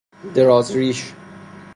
دراز ریش